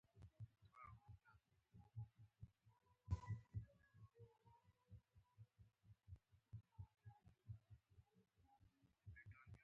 رئیس جمهور خپلو عسکرو ته امر وکړ؛ حرکت!